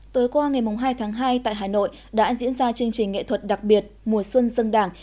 tối qua ngày hai tháng hai tại hà nội đã diễn ra chương trình nghệ thuật đặc biệt mùa xuân dân đảng